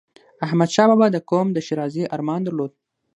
احمدشاه بابا د قوم د ښېرازی ارمان درلود.